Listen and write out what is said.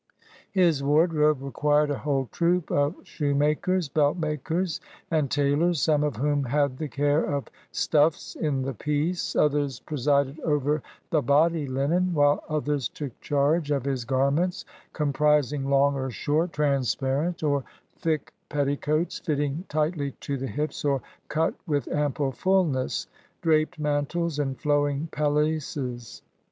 His wardrobe required a whole troop of shoemakers, belt makers, and tailors, some of whom had the care of stuffs in the piece, others presided over the body linen, while others took charge of his garments, comprising long or short, transparent or thick petticoats, fitting tightly to the hips or cut with ample fullness, draped mantles, and flowing pelisses.